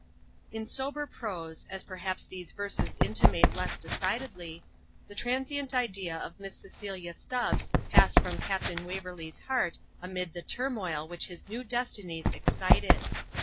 In sober prose, as perhaps these verses intimate less decidedly, the transient idea of Miss Cecilia Stubbs passed from Captain Waverley's heart amid the turmoil which his new destinies excited.